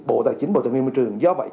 bộ tài chính bộ tài nguyên môi trường do vậy